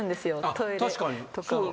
トイレとかを。